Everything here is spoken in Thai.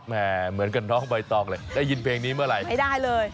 เหมือนกับน้องใบตองเลยได้ยินเพลงนี้เมื่อไหร่ไม่ได้เลย